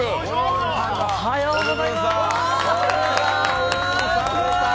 おはようございます。